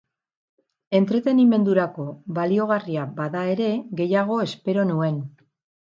Entretenimendurako baliogarria bada ere gehiago espero nuen.